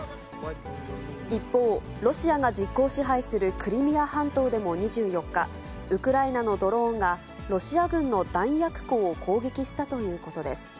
一方、ロシアが実効支配するクリミア半島でも２４日、ウクライナのドローンがロシア軍の弾薬庫を攻撃したということです。